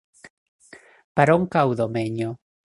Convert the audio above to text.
Per on cau Domenyo?